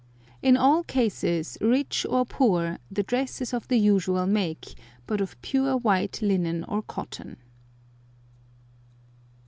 In all cases, rich or poor, the dress is of the usual make, but of pure white linen or cotton.